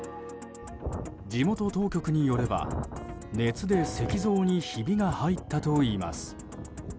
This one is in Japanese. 地元当局によれば熱で石像にひびが入ったといいます。